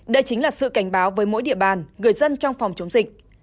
đây chính là sự cảnh báo với mỗi địa bàn người dân trong phòng chống dịch